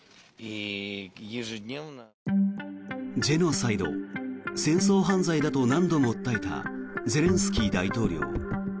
ジェノサイド戦争犯罪だと何度も訴えたゼレンスキー大統領。